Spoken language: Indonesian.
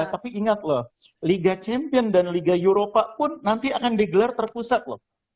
tapi ingat loh liga champion dan liga eropa pun nanti akan digelar terpusat loh